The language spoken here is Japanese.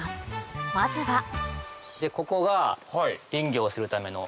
まずはここが。